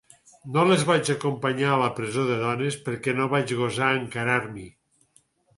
No les vaig acompanyar a la presó de dones perquè no vaig gosar encararm'hi.